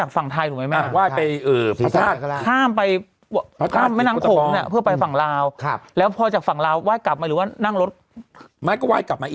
เค้าว่าสมมติเริ่มจากฝั่งไทยถูกไหมมั้ย